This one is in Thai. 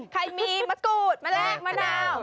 ใครมีมะกรูดมะแลกมะนาว